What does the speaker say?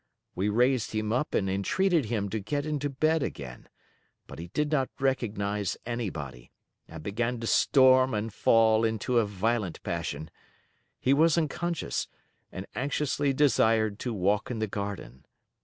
We raised him up and entreated him to get into bed again; but he did not recognise anybody, and began to storm and fall into a violent passion. He was unconscious, and anxiously desired to walk in the garden.